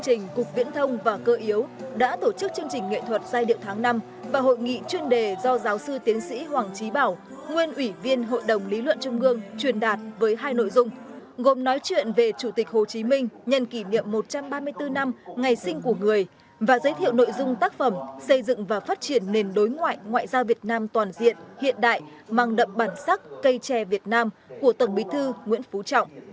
thực hiện hướng dẫn của đảng ủy công an trung ương lãnh đạo bộ công an vào sáng ngày hôm nay tại hà nội cục viễn thông và cơ yếu bộ công an đã tổ chức chương trình sinh hoạt chính trị tư tưởng về nội dung tác phẩm xây dựng và phát triển nền đối ngoại ngoại giao việt nam toàn diện hiện đại mang đậm bản sắc cây tre việt nam của tổng bí thư nguyễn phú trọng